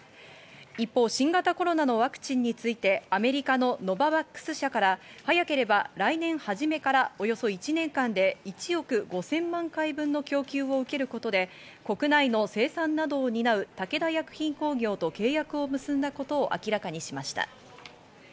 一方、新型コロナのワクチンについてアメリカのノババックス社から早ければ来年初めからおよそ１年間で１億５０００万回分の供給を受けることで国内の生産などを担う武田薬品工業と契約を結んだことを明らかにしました。